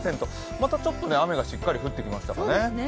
またちょっと雨がしっかり降ってきましたかね。